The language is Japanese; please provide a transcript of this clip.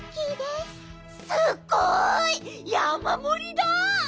すっごいやまもりだ！